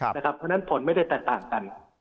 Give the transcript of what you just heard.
เพราะฉะนั้นผลไม่ได้แตกต่างกัน